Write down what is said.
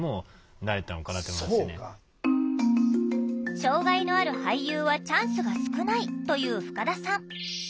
障害のある俳優はチャンスが少ないと言う深田さん。